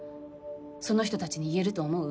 その人たちに言えると思う？